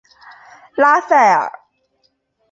拉塞尔。